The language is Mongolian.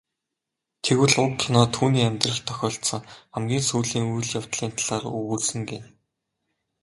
Тэгвэл уг кино түүний амьдралд тохиолдсон хамгийн сүүлийн үйл явдлын талаар өгүүлсэн гэнэ.